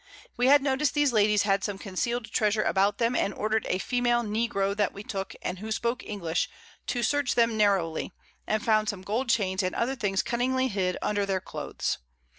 We had notice these Ladies had some conceal'd Treasure about them, and order'd a Female Negro that we took, and who spoke English, to search them narrowly, and found some Gold Chains and other things cunningly hid under their Clothes.